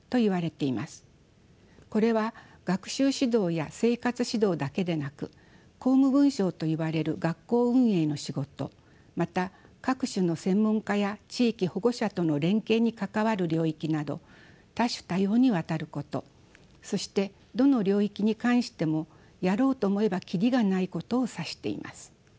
これは学習指導や生活指導だけでなく校務分掌といわれる学校運営の仕事また各種の専門家や地域・保護者との連携に関わる領域など多種多様にわたることそしてどの領域に関してもやろうと思えば切りがないことを指しています。